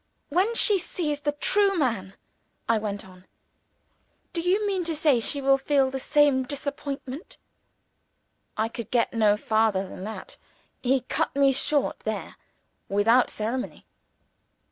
"When she sees the true man," I went on, "do you mean to say she will feel the same disappointment ?" I could get no farther than that. He cut me short there, without ceremony.